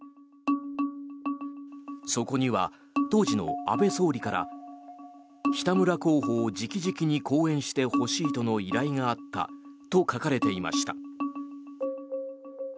そこには当時の安倍総理から北村候補を直々に後援してほしいとの依頼があったと書かれていました。